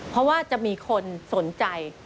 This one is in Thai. เพราะว่าจะมีคนสนใจ